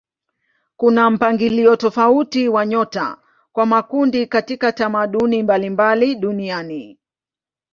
Kuna mpangilio tofauti wa nyota kwa makundi katika tamaduni mbalimbali duniani.